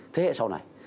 thế hệ sau này